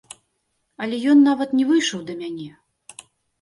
Але ён нават не выйшаў да мяне.